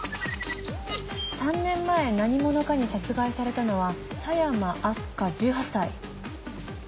３年前何者かに殺害されたのは佐山明日香１８歳。